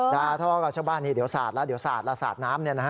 ดาทอกับชาวบ้านเดี๋ยวสาดแล้วสาดน้ำเนี่ยนะฮะ